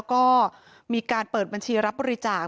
ก็มีการเปิดบัญชีรับบริจาค